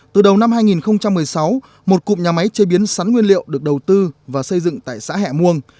từ đầu năm hai nghìn một mươi sáu một cụm nhà máy chế biến sắn nguyên liệu được đầu tư và xây dựng tại xã hẹ muông